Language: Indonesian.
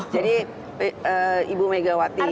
jadi ibu megawati itu